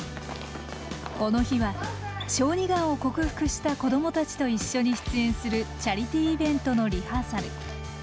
この日は小児がんを克服した子供たちと一緒に出演するチャリティーイベントのリハーサル。